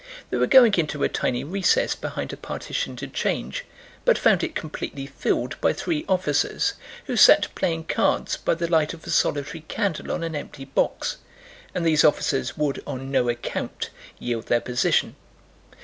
They were going into a tiny recess behind a partition to change, but found it completely filled by three officers who sat playing cards by the light of a solitary candle on an empty box, and these officers would on no account yield their position.